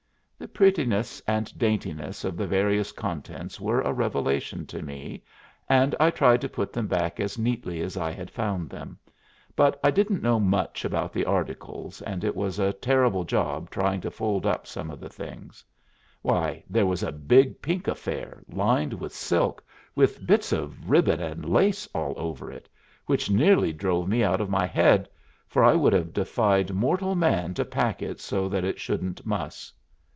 The prettiness and daintiness of the various contents were a revelation to me, and I tried to put them back as neatly as I had found them, but I didn't know much about the articles, and it was a terrible job trying to fold up some of the things. Why, there was a big pink affair, lined with silk, with bits of ribbon and lace all over it, which nearly drove me out of my head, for I would have defied mortal man to pack it so that it shouldn't muss.